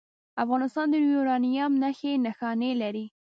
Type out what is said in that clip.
افغانستان د یورانیم نښې نښانې لري